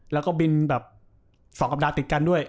แล้วก็บินแบบ๒สัปดาห์ติดกันด้วย